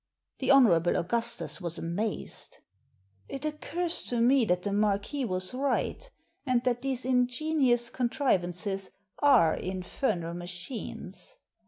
The Hon. Augustus was amazed. "It occurs to me that the Marquis was right, and that these ingenious contrivances are infernal machines.